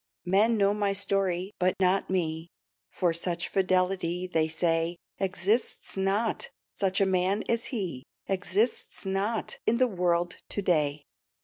Men know my story, but not me For such fidelity, they say, Exists not such a man as he Exists not in the world to day.